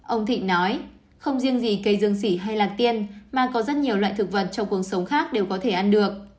ông thịnh nói không riêng gì cây dương sỉ hay lạc tiên mà có rất nhiều loại thực vật trong cuộc sống khác đều có thể ăn được